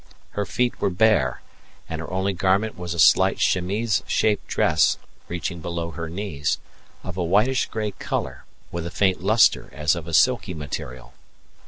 Her feet were bare, and her only garment was a slight chemise shaped dress reaching below her knees, of a whitish gray colour, with a faint lustre as of a silky material.